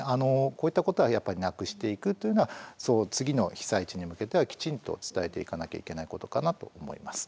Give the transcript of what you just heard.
こういったことをなくしていくというのは次の被災地に向けてはきちんと伝えていかなきゃいけないことかなと思います。